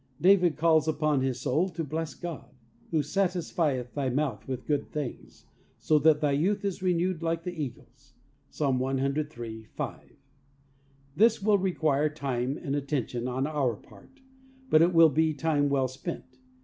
David calls upon his soul to bless God "who satis fieth thy mouth with good things so that thy youth is renewed like the eagle's." (Ps. 103: 5.) This will require time and attention on our part, but it will be time well spent.